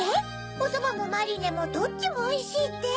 「おそばもマリネもどっちもおいしい」って？